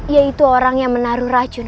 yaitu orang yang menaruh racun